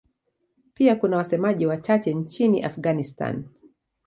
Pia kuna wasemaji wachache nchini Afghanistan.